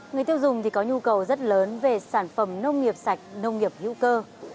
người tiêu dùng có nhu cầu rất lớn về sản phẩm nông nghiệp sạch nông nghiệp hữu cơ